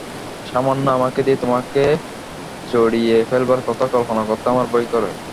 সামান্য আমাকে দিয়ে তোমাকে জড়িয়ে ফেলবার কথা কল্পনা করতে আমার ভয় করে।